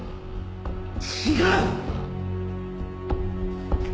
違う！